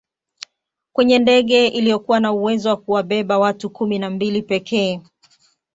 kwenye ndege iliyokuwa na uwezo wa kuwabeba watu kumi na mbili pekee